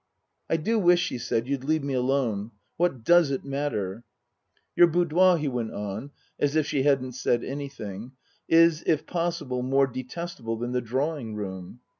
" I do wish," she said, " you'd leave me alone. What does it matter ?"" Your boudoir," he went on, as if she hadn't said anything, "is, if possible, more detestable than the drawing room."